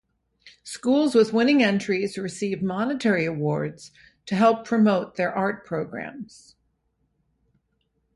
Schools with winning entries receive monetary awards to help promote their art programs.